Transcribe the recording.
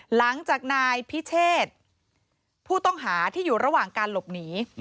หลังจากนายพิเชษผู้ต้องหาที่อยู่ระหว่างการหลบหนี